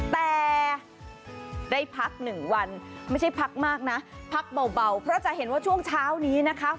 แต่ได้พักหนึ่งวันไม่ใช่พักมากนะพักเบาเพราะจะเห็นว่าช่วงเช้านี้นะคะ